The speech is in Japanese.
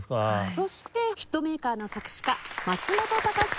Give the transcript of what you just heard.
そしてヒットメーカーの作詞家松本隆さん。